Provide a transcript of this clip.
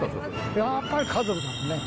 やっぱり家族だよね。